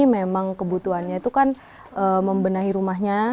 memang kebutuhannya itu kan membenahi rumahnya